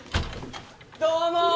どうも！